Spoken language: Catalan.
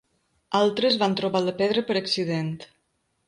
Altres van trobar la pedra per accident.